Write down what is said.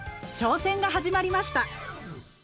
挑戦が始まりました。